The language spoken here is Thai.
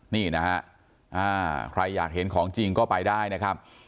นี่นะฮะใครอยากเห็นของจริงก็ไปได้นะครับ